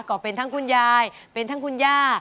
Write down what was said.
ก็เป็นทั้งคุณยายเป็นทั้งคุณย่า